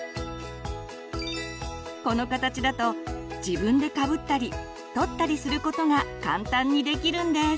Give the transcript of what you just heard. この形だと自分でかぶったり取ったりすることが簡単にできるんです。